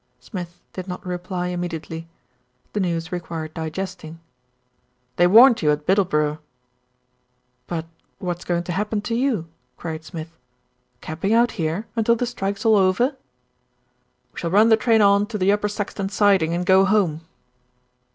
Smith did not reply immediately. The news re quired digesting. "They warned you at Bittleborough." "But what's going to happen to you?" queried Smith. "Camping out here until the strike's all over?" "We shall run the train on to the Upper Saxton siding, and go home."